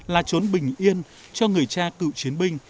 là trốn bình yên cho người cha cựu chiến binh